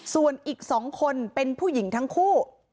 ส่วนอีก๒คนเป็นผู้หญิงทั้งคู่